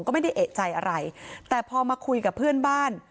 ก็ไม่ได้เอกใจอะไรแต่พอมาคุยกับเพื่อนบ้าน